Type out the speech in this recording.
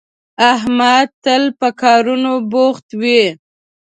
احمد تل په کارونو بوخت وي